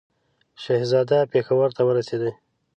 شهزاده پېښور ته ورسېدی.